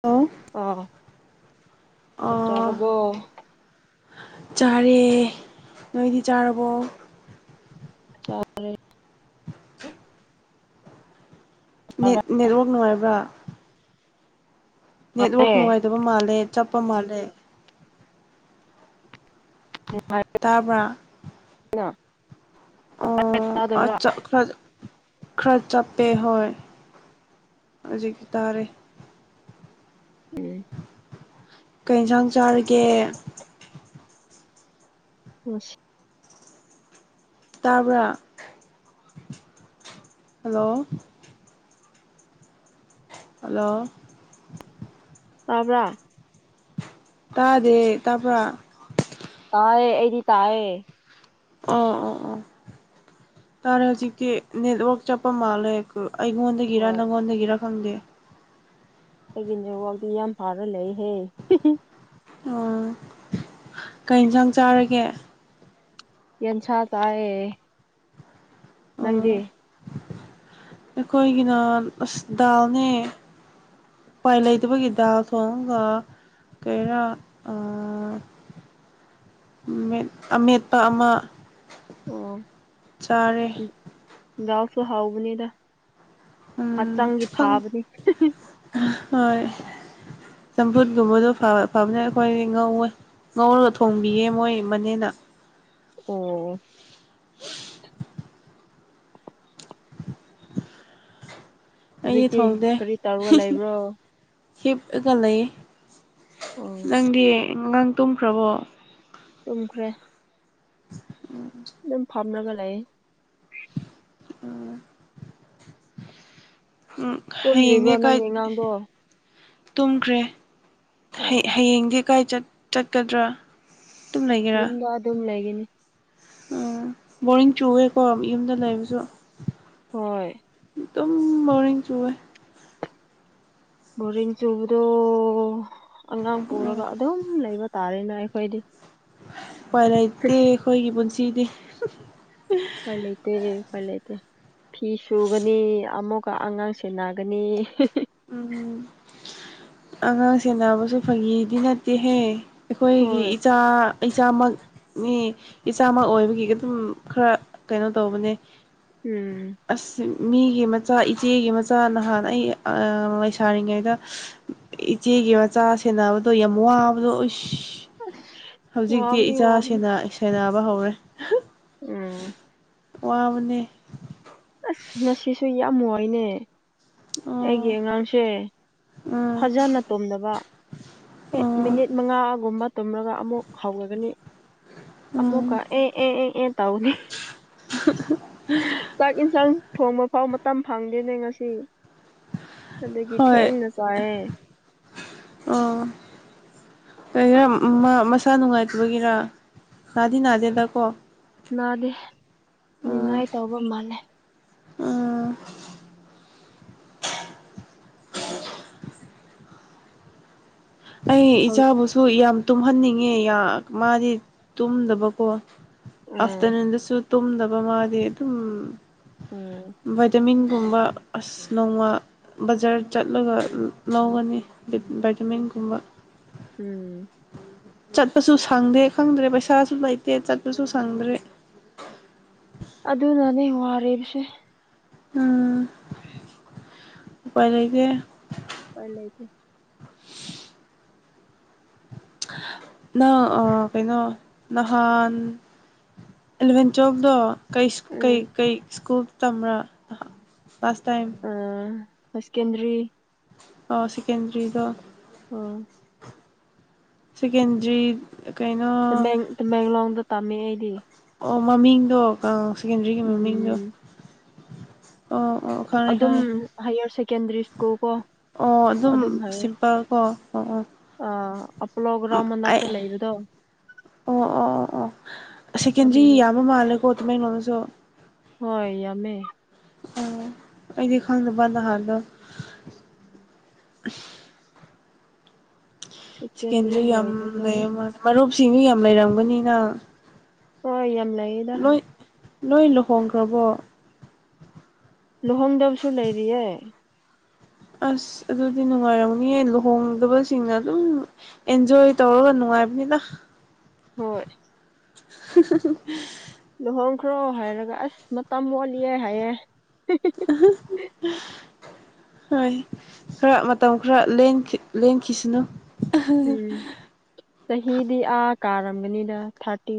hello ꯑꯥ ꯆꯥꯛ ꯑꯥ ꯆꯥꯔꯕꯣ ꯆꯥꯔꯦ ꯅꯣꯏꯗꯤ ꯆꯥꯔꯕꯣ ꯆꯥꯔꯦ [unintelligible] ꯅꯦꯠ ꯅꯦꯠꯋꯥꯛ ꯅꯨꯡꯉꯥꯏꯕ꯭ꯔꯥ ꯅꯦꯠꯋꯔꯛ ꯅꯨꯡꯉꯥꯏꯇꯕ ꯃꯥꯜꯂꯦ ꯆꯞꯄ ꯃꯥꯜꯂꯦ ꯅꯨꯉꯥꯏ ꯇꯥꯕ꯭ꯔꯥ ꯅ ꯑꯣ ꯑꯆꯥ ꯈꯥꯔ ꯆꯞ ꯄꯦ ꯍꯣꯏ ꯍꯧꯖꯤꯛ ꯇꯔꯦ ꯎꯝ ꯀꯩ ꯏꯟꯖꯥꯡ ꯆꯥꯔꯒꯦ ꯉꯁꯤ ꯇꯥꯕ꯭ꯔꯥ ꯍꯜꯂꯣ ꯍꯜꯂꯣ ꯇꯥꯕ꯭ꯔꯥ ꯇꯥꯗꯦ ꯇꯥꯕꯔ ꯇꯌꯦ ꯑꯩꯗꯤ ꯇꯌꯦ ꯑꯣ ꯑꯣ ꯑꯣ ꯇꯥꯔꯦ ꯍꯧꯖꯤꯛꯇꯤ ꯅꯦꯠꯋꯥꯛ ꯆꯄ ꯃꯥꯂꯦ ꯒ ꯑꯩꯉꯣꯟꯗꯒꯤꯔ ꯍꯣꯏ ꯅꯪꯉꯣꯟꯗꯒꯤꯔ ꯈꯪꯗꯦ ꯑꯩꯒꯤꯅꯦꯋꯥꯛꯗꯤ ꯌꯥꯝ ꯐꯥꯔ ꯂꯩꯍꯦ ꯑꯣ ꯀꯩ ꯏꯟꯖꯥꯡ ꯆꯥꯔꯒꯦ ꯌꯦꯟꯁꯥ ꯆꯥꯢꯌꯦ ꯅꯪꯗꯤ ꯑꯣ ꯑꯩꯈꯣꯏꯒꯤꯅ ꯑꯁ ꯗꯥꯜꯅꯦ ꯎꯄꯥꯏ ꯂꯩꯇꯕꯒꯤ ꯗꯥꯜ ꯊꯣꯡꯉꯥꯒ ꯀꯩꯔꯥ ꯑ ꯃꯦꯠ ꯑꯃꯦꯠꯄ ꯑꯃ ꯑꯣ ꯆꯥꯔꯦ ꯗꯨ ꯍꯥꯎꯕꯅꯤꯗ ꯎꯝ ꯍꯛꯆꯥꯡꯒꯤ ꯈꯪ ꯐꯥꯕꯅꯤ ꯍꯣꯏ ꯆꯝꯐꯨꯠꯀꯨꯝꯕꯗꯣ ꯐꯕ ꯐꯕꯅꯦ ꯑꯩꯈꯣꯏꯗꯤ ꯉꯧꯋꯦ ꯉꯧꯔꯒ ꯊꯣꯡꯕꯤꯌꯦ ꯃꯣꯏꯒꯤ ꯃꯅꯦꯅ ꯑꯣ ꯑꯩꯗꯤ ꯍꯧꯖꯤꯛꯇꯤ ꯊꯣꯡꯗꯦ ꯀꯔꯤ ꯇꯧꯔꯒ ꯍꯤ ꯍꯤ ꯂꯩꯕ꯭ꯔꯣ ꯍꯤꯞꯑꯒ ꯂꯩꯌꯦ ꯑꯣ ꯅꯪꯗꯤ ꯑꯉꯥꯡ ꯇꯨꯝꯈ꯭ꯔꯕꯣ ꯇꯨꯝꯈ꯭ꯔꯦ ꯎꯝ ꯗꯨꯝ ꯐꯝꯔꯒ ꯂꯩꯌꯦ ꯑꯝ ꯎꯝ ꯇꯨꯝꯗ꯭ꯔꯤꯕ꯭ꯔꯣ ꯍꯌꯦꯡꯅꯤ ꯀꯥꯏ ꯅꯪꯒꯤ ꯑꯉꯥꯡꯗꯣ ꯑꯣ ꯇꯨꯝꯈ꯭ꯔꯦ ꯍ ꯑꯣ ꯍꯌꯦꯡꯗꯤ ꯀꯥꯏ ꯆꯠ ꯆꯠꯀꯗ꯭ꯔꯥ ꯑꯗꯨꯝ ꯌꯨꯝꯗ ꯑꯗꯨꯝ ꯂꯩꯒꯅꯤ ꯑꯣ ꯕꯣꯔꯤꯡ ꯆꯨꯋꯦꯀꯣ ꯌꯨꯝꯗ ꯂꯩꯕꯁꯨ ꯍꯣꯏ ꯗꯨꯝ ꯕꯣꯔꯤꯡ ꯆꯨꯌꯦ ꯕꯣꯔꯤꯡ ꯆꯨꯕꯗꯣ ꯑꯉꯥꯡ ꯎꯝ ꯄꯨꯔꯒ ꯑꯗꯨꯝ ꯂꯩꯕ ꯇꯥꯔꯦ ꯅꯣꯢ ꯑꯩꯈꯣꯏꯗꯤ ꯎꯄꯥꯏ ꯂꯩꯇꯦ ꯑꯈꯣꯏꯒꯤ ꯄꯨꯟꯁꯤꯗꯤ ꯍꯍꯨꯝ ꯎꯄꯥꯏ ꯂꯩꯇꯦ ꯎꯄꯥꯏ ꯂꯩꯇꯦ ꯐꯤ ꯁꯨꯒꯅꯤ ꯑꯃꯨꯛꯀ ꯑꯉꯥꯡ ꯁꯦꯟꯅꯥꯒꯅꯤ ꯍꯦ ꯍꯦ ꯎꯝ ꯑꯉꯥꯡ ꯁꯦꯟꯅꯕꯥꯁꯨ ꯐꯒꯤꯗꯤ ꯅꯠꯇꯦꯍꯦ ꯑꯩꯈꯣꯏꯒꯤ ꯍꯣꯏ ꯏꯆꯥ ꯏꯆꯥꯃꯛ ꯃꯤ ꯏꯆꯥꯃꯛ ꯑꯣꯏꯕꯒꯤ ꯑꯗꯨꯝ ꯈꯔ ꯀꯩꯅꯣ ꯇꯧꯕꯅꯦ ꯎꯝ ꯑꯁ ꯃꯤꯒꯤ ꯃꯆꯥ ꯏꯆꯦꯒꯤ ꯃꯆꯥ ꯅꯍꯥꯟ ꯑꯩ ꯑꯥ ꯂꯩꯁꯥꯔꯤꯉꯩꯗ ꯏꯆꯦꯒꯤ ꯃꯆꯥ ꯁꯦꯟꯅꯕꯗꯣ ꯌꯥꯝ ꯋꯥꯕꯗꯣ ꯑꯣꯁ ꯑꯁ ꯍꯧꯖꯤꯛꯇꯤ ꯏꯆꯥ ꯁꯦꯟꯅ ꯁꯦꯟꯅꯕ ꯍꯧꯔꯦ ꯍ ꯎꯝ ꯋꯥꯕꯅꯦ ꯑꯁ ꯉꯁꯤꯁꯨ ꯌꯥꯝ ꯋꯥꯏꯅꯦ ꯑꯩꯒꯤ ꯑꯣ ꯑꯉꯥꯡꯁꯦ ꯎꯝ ꯐꯖꯅ ꯇꯣꯝꯗꯕ ꯍꯦꯛ ꯑꯣ ꯃꯤꯅꯤꯠ ꯃꯉꯥꯒꯨꯝꯕ ꯇꯨꯝꯔꯒ ꯑꯃꯨꯛ ꯍꯧꯒꯅꯤ ꯎꯝ ꯑꯃꯨꯛꯀ ꯑꯦ ꯑꯦ ꯑꯦ ꯑꯦ ꯇꯥꯎꯅꯤ ꯆꯥꯛ ꯏꯟꯁꯥꯡ ꯊꯣꯡꯕꯐꯥꯎ ꯃꯇꯝ ꯐꯪꯗꯦꯅꯦ ꯉꯁꯤ ꯑꯗꯨꯒꯤ ꯍꯣꯏ ꯊꯦꯡꯅ ꯆꯥꯌꯦ ꯑꯣ ꯀꯩꯒꯤꯔꯥ ꯃꯥ ꯃꯁꯥ ꯅꯨꯡꯉꯥꯏꯇꯕꯒꯤꯔꯥ ꯅꯥꯗꯤ ꯅꯥꯗꯦꯗꯥ ꯀꯣ ꯅꯥꯗꯦ ꯅꯤꯡꯉꯥꯏ ꯇꯧꯕ ꯃꯥꯜꯂꯦ ꯑꯥ ꯑꯩ ꯍꯧ ꯏꯆꯥꯕꯨꯁꯨ ꯌꯥꯝ ꯇꯨꯝꯍꯟꯅꯤꯡꯉꯦ ꯌꯥ ꯃꯥꯗꯤ ꯇꯨꯝꯗꯕꯀꯣ ꯎꯝ ꯑꯥꯐꯇꯔꯅꯨꯟꯗꯁꯨ ꯇꯨꯝꯗꯕ ꯃꯥꯗꯤ ꯑꯗꯨꯝ ꯎꯝ ꯚꯥꯏꯇꯃꯤꯟ ꯒꯨꯝꯕ ꯑꯁ ꯅꯣꯡꯃ ꯕꯖꯥꯔ ꯆꯠꯂꯒ ꯂꯧꯒꯅꯤ ꯚ ꯚꯩꯠꯇꯥꯃꯤꯟ ꯀꯨꯝꯕ ꯎꯝ ꯆꯠꯄꯁꯨ ꯁꯪꯗꯦ ꯈꯪꯗ꯭ꯔꯦ ꯄꯩꯁꯥꯁꯨ ꯂꯩꯇꯦ ꯆꯠꯄꯁꯨ ꯁꯪꯗ꯭ꯔꯦ ꯑꯗꯨꯅꯅꯦ ꯋꯥꯔꯤꯕꯁꯦ ꯎꯝ ꯎꯄꯥꯏ ꯂꯩꯇꯦ ꯄꯥꯏ ꯂꯩꯇꯦ [inaudible] ꯅ ꯑ ꯀꯩꯅꯣ ꯅꯍꯥꯟ ꯑꯦꯂꯚꯦꯟ ꯇꯨꯋꯦꯜꯐꯇꯣ ꯀꯩ ꯁ ꯀꯩ ꯎꯝ ꯀꯩ ꯁ꯭ꯀꯨꯜ ꯇꯝꯕ꯭ꯔꯥ ꯐꯥꯁ ꯇꯥꯏꯝ ꯍ ꯁꯦꯀꯦꯟꯗꯔꯤ ꯑꯥ ꯁꯦꯀꯦꯟꯗ꯭ꯔꯤꯗꯣ ꯑꯣ ꯁꯦꯀꯦꯟꯗ꯭ꯔꯤ ꯀꯩꯅꯣ ꯇꯃꯦꯡ ꯇꯃꯦꯡꯂꯣꯡꯗ ꯇꯥꯝꯃꯦ ꯑꯩꯗꯤ ꯑꯣ ꯃꯃꯤꯡꯗꯣ ꯑ ꯁꯦꯀꯦꯟꯗ꯭ꯔꯤꯒꯤ ꯃꯃꯤꯡꯗꯣ ꯎꯝ ꯑꯣ ꯑꯣ ꯈꯪꯉꯦ ꯑꯗꯨꯝ ꯈꯪꯉꯦ ꯍꯥꯏꯌꯔ ꯁꯦꯀꯦꯟꯗ꯭ꯔꯤ ꯁ꯭ꯀꯨꯜ ꯀꯣ ꯑꯣ ꯑꯗꯨꯝ ꯁꯤꯝꯄꯜ ꯀꯣ ꯑꯣ ꯑꯣ ꯑꯥ ꯑꯄꯣꯂꯣ ꯒ꯭ꯔꯥꯎꯟ ꯑꯩ ꯃꯅꯥꯛꯇ ꯂꯩꯕꯗꯣ ꯑꯣ ꯑꯣ ꯑꯣ ꯑꯣ ꯑꯁꯦꯀꯦꯟꯗ꯭ꯔꯤ ꯑꯗꯨꯗ ꯌꯥꯝꯕ ꯃꯥꯜꯂꯦꯀꯣ ꯇꯃꯦꯡꯂꯣꯡꯗꯁꯨ ꯍꯣꯏ ꯌꯥꯝꯃꯦ ꯑꯣ ꯑꯩꯗꯤ ꯈꯪꯗꯕ ꯅꯍꯥꯟꯗꯣ ꯁꯦꯀꯦꯟꯗ꯭ꯔꯤ ꯌꯥꯝ ꯂꯩꯌꯝꯃꯥ ꯃꯔꯨꯞꯁꯤꯡꯖꯨ ꯌꯥꯝ ꯂꯩꯔꯝꯒꯅꯤꯅꯥ ꯍꯣꯏ ꯌꯥꯝ ꯂꯩꯌꯦꯗꯥ ꯂꯣꯏ ꯂꯨꯍꯣꯡꯈ꯭ꯔꯕꯣ ꯂꯨꯍꯣꯡꯗꯕꯁꯨ ꯂꯩꯔꯤꯌꯦ ꯑꯁ ꯑꯗꯨꯗꯤ ꯅꯨꯡꯉꯥꯏꯔꯝꯅꯤꯌꯦ ꯂꯨꯍꯣꯡꯗꯕꯁꯤꯡꯅ ꯑꯗꯨꯝ ꯑꯦꯟꯖꯣꯏ ꯇꯧꯔꯒ ꯅꯨꯡꯉ ꯅꯨꯡꯉꯥꯏꯕꯅꯤꯗ ꯍꯣꯏ ꯍꯍꯍ ꯂꯨꯍꯣꯡꯈ꯭ꯔꯣ ꯍꯥꯏꯔꯒ ꯑꯁ ꯃꯇꯝ ꯋꯥꯠꯂꯤꯌꯦ ꯍꯥꯏꯌꯦ ꯑꯍꯍ ꯍꯣꯏ ꯈꯔ ꯃꯇꯝ ꯈꯔ ꯂꯦꯟꯈꯤ ꯂꯦꯟꯈꯤꯁꯤꯅꯨ ꯎꯝ ꯆꯍꯤꯗꯤ ꯑꯥ ꯀꯥꯔꯝꯒꯅꯤꯗ ꯊꯥꯔꯇꯤ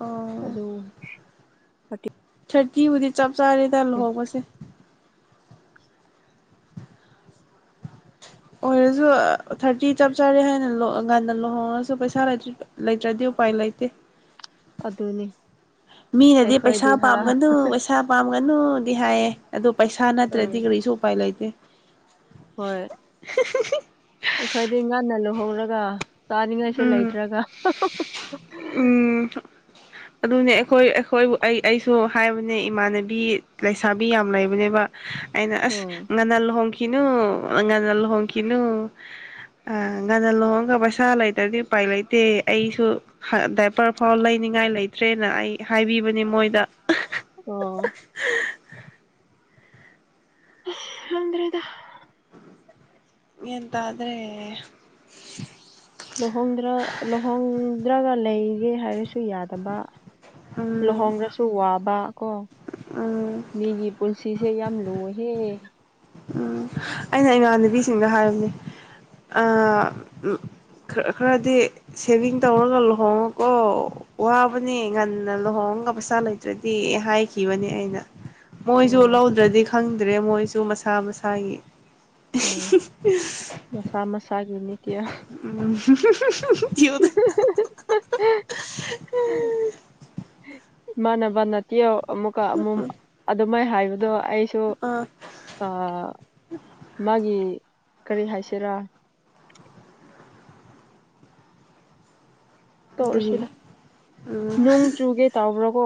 ꯑꯣ ꯑꯗꯣ ꯊꯥꯔꯇꯤ ꯀꯤꯕꯨꯗꯤ ꯆꯞ ꯆꯥꯔꯦꯗ ꯂꯨꯍꯣꯡꯕꯁꯦ ꯑꯣꯏ ꯔꯁꯨ ꯊꯥꯔꯇꯤ ꯆꯞ ꯆꯥꯔꯦ ꯍꯥꯏꯅ ꯂꯣ ꯉꯟꯅ ꯂꯨꯍꯣꯡꯉꯁꯨ ꯄꯩꯁꯥ ꯂꯩꯇ꯭ꯔꯗꯤ ꯎꯄꯥꯏ ꯂꯩꯇꯦ ꯑꯦ ꯑꯗꯨꯅꯦ ꯃꯤꯅꯗꯤ ꯄꯩꯁꯥ ꯄꯥꯝꯒꯅꯨ ꯄꯩꯁꯥ ꯄꯥꯝꯒꯅꯨꯗꯤ ꯍꯥꯏꯌꯦ ꯑꯗꯣ ꯄꯩꯁꯥ ꯎꯝ ꯅꯠꯇ꯭ꯔꯗꯤ ꯀꯔꯤꯁꯨ ꯎꯄꯥꯏ ꯂꯩꯇꯦ ꯍꯣꯏ ꯍ ꯑꯩꯈꯣꯏꯗꯤ ꯉꯥꯟꯅ ꯂꯨꯍꯧꯡꯔꯒ ꯆꯥꯅꯤꯡꯉꯥꯢꯁꯨ ꯎꯝ ꯂꯩꯇ꯭ꯔꯒ ꯍ ꯑꯗꯨꯅꯦ ꯑꯩꯈꯣꯏ ꯑꯩꯈꯣꯏꯕꯨ ꯑꯩ ꯑꯩꯁꯨ ꯍꯥꯏꯕꯅꯦ ꯏꯃꯥꯟꯅꯕꯤ ꯂꯩꯁꯥꯕꯤ ꯌꯥꯝ ꯂꯩꯕꯅꯦꯕ ꯑꯩꯅ ꯑꯁ ꯎꯝ ꯉꯟꯅ ꯂꯨꯍꯣꯡ ꯈꯤꯅꯨ ꯉꯟꯅ ꯂꯨꯍꯣꯡꯈꯤꯅꯨ ꯑ ꯉꯟꯅ ꯂꯨꯍꯣꯡꯂꯒ ꯄꯩꯁꯥ ꯂꯩ ꯇ꯭ꯔꯗꯤ ꯎꯄꯥꯏ ꯂꯩꯇꯦ ꯑꯩꯁꯨ ꯍ ꯗꯥꯏꯄꯔ ꯐꯥꯎ ꯂꯩꯅꯤꯡꯉꯥꯏ ꯂꯩꯇ꯭ꯔꯦꯅ ꯑꯩ ꯍꯥꯏꯕꯤꯕꯅꯦ ꯃꯣꯏꯗ ꯑꯣ ꯑꯁ ꯈꯪꯗ꯭ꯔꯦꯗ ꯒ꯭ꯌꯥꯟ ꯇꯥꯗ꯭ꯔꯦ ꯗꯔꯒ ꯂꯩꯒꯦ ꯍꯥꯏꯔꯁꯨ ꯌꯥꯗꯕ ꯎꯝ ꯂꯨꯍꯣꯡꯔꯁꯨ ꯋꯥꯕ ꯀꯣ ꯎꯝ ꯃꯤꯒꯤ ꯄꯨꯟꯁꯤꯁꯦ ꯌꯥꯝ ꯂꯨꯑꯦꯍꯦ ꯎꯝ ꯑꯩꯅ ꯏꯃꯥꯟꯅꯕꯤꯁꯤꯡꯗ ꯍꯥꯏꯕꯅꯦ ꯑ ꯈꯔ ꯈꯔꯗꯤ ꯁꯦꯚꯤꯡ ꯇꯧꯔꯒ ꯂꯨꯍꯣꯡꯉꯣꯀꯣ ꯋꯥꯕꯅꯤ ꯉꯟꯅ ꯂꯨꯍꯣꯡ ꯉ ꯄꯩꯁꯥ ꯂꯩꯇ꯭ꯔꯗꯤ ꯍꯥꯏꯈꯤꯕꯅꯦ ꯑꯩꯅ ꯃꯣꯏꯁꯨ ꯎꯝ ꯂꯧꯗ꯭ꯔꯗꯤ ꯈꯪꯗ꯭ꯔꯦ ꯃꯣꯏꯁꯨ ꯃꯁꯥ ꯃꯁꯥꯒꯤ ꯎꯝ ꯃꯁꯥ ꯃꯁꯥꯒꯤ ꯅꯤꯇ꯭ꯌꯥ ꯎꯝꯍꯨꯝꯍꯨꯝ ꯍꯨꯝ ꯍꯨꯝ ꯍꯨ ꯀꯌꯨꯕ ꯑꯑ ꯏꯃꯥꯟꯅꯕꯅ ꯇꯤꯌꯥꯎ ꯑꯃꯨꯛꯀ ꯑꯃꯨꯛ ꯑꯗꯨꯃꯥꯏꯅ ꯍꯥꯏꯕ ꯑꯗꯣ ꯑꯩꯁꯨ ꯑꯥ ꯑ ꯃꯥꯒꯤ ꯀꯔꯤ ꯍꯥꯏꯁꯤꯔꯥ ꯇꯧꯛꯂꯁꯤꯗ ꯑꯗꯨꯒꯤ ꯎꯝ ꯅꯣꯡ ꯆꯨꯒꯦ ꯇꯧꯕ꯭ꯔꯥ ꯀꯣ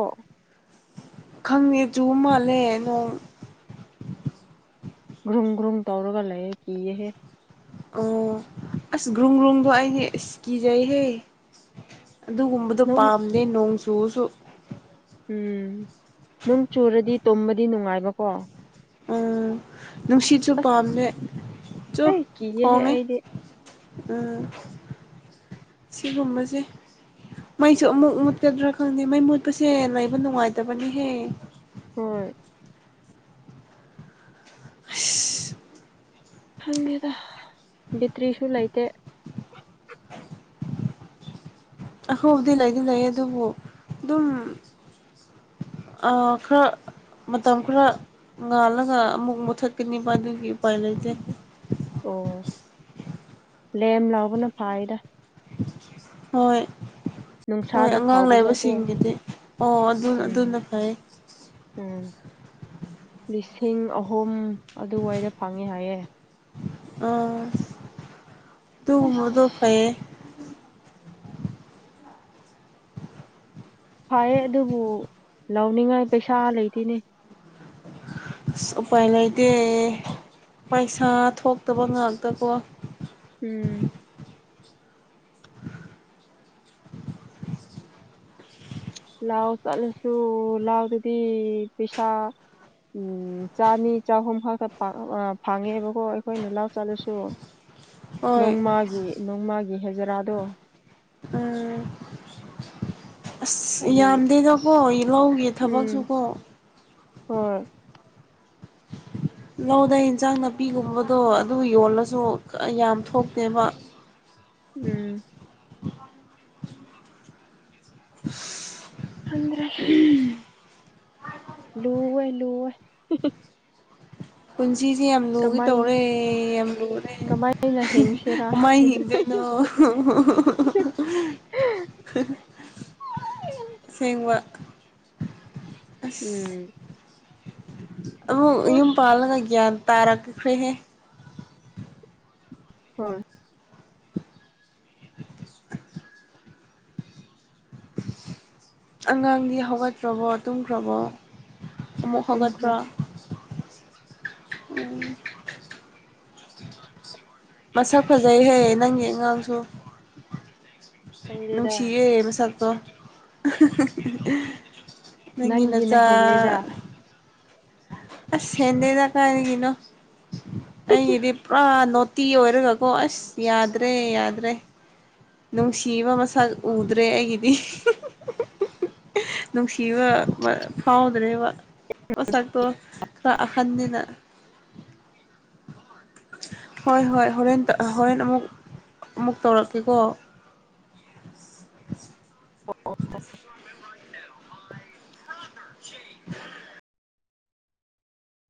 ꯈꯪꯗꯦ ꯆꯨꯕ ꯃꯥꯜꯂꯦ ꯅꯣꯡ ꯒ꯭ꯔꯨꯡ ꯒ꯭ꯔꯨꯡ ꯇꯧꯔꯒ ꯂꯩꯌꯦ ꯀꯤꯑꯦꯍꯦ ꯑꯣ ꯑꯁ ꯒ꯭ꯔꯨꯡ ꯒ꯭ꯔꯨꯡꯗꯣ ꯑꯩꯗꯤ ꯑꯁ ꯀꯤꯖꯩꯍꯦ ꯑꯗꯨꯒꯨꯝꯕꯗꯣ ꯅꯪ ꯄꯥꯝꯗꯦ ꯅꯣꯡ ꯆꯨꯔꯁꯨ ꯎꯝ ꯅꯨꯡ ꯆꯨꯔꯗꯤ ꯇꯨꯝꯕꯗꯤ ꯅꯨꯡꯉꯥꯏꯕꯀꯣ ꯎꯝ ꯅꯨꯡꯁꯤꯠꯁꯨ ꯑꯁ ꯄꯥꯝꯗꯦ ꯇꯨ ꯑꯩ ꯀꯤꯌꯦꯍꯦ ꯈꯣꯡꯉꯦ ꯑꯩꯗꯤ ꯑꯝ ꯁꯤꯒꯨꯝꯕꯁꯦ ꯃꯩꯁꯨ ꯑꯃꯨꯛ ꯃꯨꯠꯀꯗ꯭ꯔꯥ ꯈꯪꯗꯦ ꯃꯩ ꯃꯨꯠꯄꯁꯦ ꯂꯩꯕ ꯅꯨꯡꯉꯥꯏꯇꯕꯅꯤꯍꯦ ꯍꯣꯏ ꯑꯁ ꯈꯪꯗꯦꯗꯥ ꯕꯦꯇ꯭ꯔꯤꯁꯨ ꯂꯩꯇꯦ [inaudible] ꯑꯍꯣꯕꯗꯤ ꯂꯩꯗꯤ ꯂꯩ ꯑꯗꯨꯕꯨ ꯑꯗꯨꯝ ꯑꯥ ꯈ꯭ꯔ ꯃꯇꯝ ꯈ꯭ꯔ ꯉꯥꯜꯂꯒ ꯑꯃꯨꯛ ꯃꯨꯊꯠꯀꯅꯤꯕꯥ ꯏꯕꯥꯅꯤꯒꯤ ꯎꯄꯥꯏ ꯂꯩꯇꯦ ꯑꯣ ꯂꯦꯝ ꯂꯥꯎꯕꯅ ꯐꯥꯏꯌꯦꯗ ꯍꯣꯏ ꯍꯣꯏ ꯅꯨꯡꯁꯥꯗ ꯑꯉꯥꯡ ꯐꯥꯎꯕ ꯖꯥꯠꯇꯣ ꯂꯥꯏꯕꯁꯤꯡꯒꯤꯗꯤ ꯑꯣ ꯑꯗꯨ ꯎꯝ ꯑꯗꯨꯅ ꯐꯩꯑꯦ ꯎꯝ ꯂꯤ ꯁꯤꯡ ꯑꯍꯨꯝ ꯑꯗꯨꯋꯥꯏꯗ ꯐꯪꯉꯦ ꯍꯥꯏꯌꯦ ꯑꯥ ꯑꯁ ꯑꯗꯨꯒꯨꯝꯕꯗꯣ ꯐꯩꯌꯦ ꯐꯥꯌꯦꯦ ꯑꯗꯨꯕꯨ ꯂꯧꯅꯤꯡꯉꯥꯏ ꯄꯩꯁꯥ ꯂꯩꯇꯦꯅꯦ ꯑꯁ ꯎꯄꯥꯏ ꯂꯩꯇꯦ ꯄꯩꯁꯥ ꯊꯣꯛꯇꯕ ꯉꯥꯛꯇꯀꯣ ꯎꯝ ꯂꯥꯎ ꯀꯜꯁꯨ ꯂꯥꯛꯔꯗꯤ ꯄꯤꯁꯥ ꯎꯝ ꯆꯥꯅꯤ ꯆꯥꯍꯨꯝ ꯈꯛꯇ ꯐꯪ ꯐꯪꯉꯦꯕꯀꯣ ꯑꯩꯈꯣꯏꯅ ꯂꯥꯎ ꯆꯠꯂꯁꯨ ꯍꯣꯏ ꯅꯣꯡꯃꯥꯒꯤ ꯅꯣꯡꯃꯥꯒꯤ ꯍꯦꯖꯔꯥꯗꯣ ꯎꯝ ꯑꯁ ꯑꯗꯨꯒꯤ ꯑꯁ ꯌꯥꯝꯗꯦꯗꯥꯀꯣ ꯂꯧꯒꯤ ꯎꯝ ꯊꯕꯛꯁꯨꯀꯣ ꯍꯣꯏ [inaudible] ꯂꯧꯗ ꯍꯦꯟꯁꯥꯡ ꯅꯥꯄꯤꯒꯨꯝꯕꯗꯣ ꯑꯗꯨ ꯌꯣꯜꯂꯁꯨ ꯌꯥꯝ ꯊꯣꯛꯇꯦꯕꯥ [inaudible] ꯎꯝ [inaudible] ꯈꯪꯗ꯭ꯔꯦ ꯂꯨꯋꯦ ꯂꯨꯋꯦ ꯍꯤ ꯍꯤ ꯁꯤꯖꯦ ꯌꯥꯝ ꯂꯨꯒꯦ ꯇꯧꯔꯦ ꯌꯥꯝ ꯂꯨꯔꯦ ꯀꯃꯥꯏꯅ ꯍ ꯍꯤꯡꯁꯤꯔꯥ ꯀꯃꯥꯏ ꯍꯤꯡꯗꯣꯏꯅꯣ ꯍꯨ ꯍꯨ ꯍꯨ ꯍ ꯍ ꯑꯁꯦꯡꯕꯥ ꯎꯝ ꯑꯃꯨꯛ ꯌꯨꯝ ꯎꯁ ꯄꯥꯜꯂꯒ ꯒ꯭ꯌꯥꯟ ꯇꯥꯔꯛꯈ꯭ꯔꯦꯍꯦ ꯍꯣꯏ ꯑꯉꯥꯡꯗꯤ ꯍꯧꯒꯠꯇ꯭ꯔꯕꯣ ꯇꯨꯝꯈ꯭ꯔꯕꯣ ꯑꯃꯨꯛ ꯇꯨꯝꯈ꯭ꯔꯦ ꯍꯧꯒꯠꯄ꯭ꯔꯥ ꯎꯝ ꯃꯁꯛ ꯐꯖꯩ ꯍꯦ ꯅꯪꯒꯤ ꯑꯉꯥꯡꯁꯨ ꯈꯪꯗꯦꯗ ꯅꯨꯡꯁꯤꯌꯦ ꯃꯁꯥꯛꯇꯣ ꯑꯍ ꯍ ꯅꯪꯒꯤ ꯅꯪꯒꯤꯅ ꯅꯆꯥ ꯍꯦꯜꯂꯦꯗ ꯑꯁ ꯍꯦꯟꯗꯦꯗꯥ ꯀꯔꯥꯏꯗꯒꯤꯅꯣ ꯑꯩꯒꯤꯗꯤ ꯄꯨꯔꯥ ꯅꯣꯇꯤ ꯑꯣꯏꯔꯒꯀꯣ ꯑꯁ ꯌꯥꯗ꯭ꯔꯦ ꯌꯥꯗ꯭ꯔꯦ ꯅꯨꯡꯁꯤꯕ ꯃꯁꯛ ꯎꯗ꯭ꯔꯦ ꯑꯩꯒꯤꯗꯤ ꯍꯤ ꯍꯤ ꯅꯨꯡꯁꯤꯕ ꯕ ꯐꯥꯎꯗ꯭ꯔꯦꯕ ꯃꯁꯥꯛꯇꯣ ꯈꯔ ꯑꯍꯟꯅꯤꯅ ꯍꯣꯏ ꯍꯣꯏ ꯍꯣꯔꯦꯟ ꯍꯣꯔꯦꯟ ꯑꯃꯨꯛ ꯑꯃꯨꯛ ꯇꯧꯔꯛꯀꯦꯀꯣ [inaudible] [inaudible]